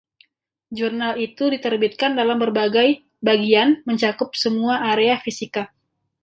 Jurnal itu diterbitkan dalam berbagai bagian, mencakup semua area fisika.